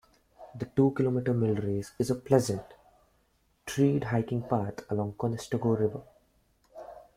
The two-kilometre millrace is a pleasant, treed hiking path along the Conestogo River.